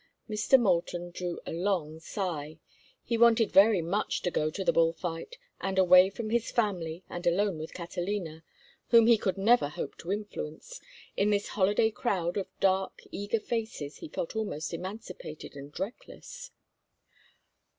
Mr. Moulton drew a long sigh. He wanted very much to go to the bull fight; and away from his family and alone with Catalina—whom he could never hope to influence—in this holiday crowd of dark, eager faces he felt almost emancipated and reckless.